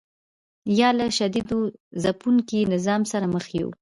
یا له شدید ځپونکي نظام سره مخ یو.